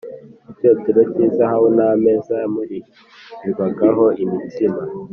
icyotero cy’izahabu n’ameza yamurikirwagaho imitsima